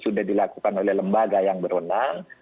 sudah dilakukan oleh lembaga yang berwenang